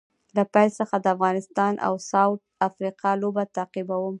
له پیل څخه د افغانستان او ساوت افریقا لوبه تعقیبوم